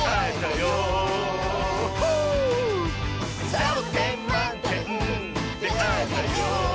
「サボテンまんてんであえたよ」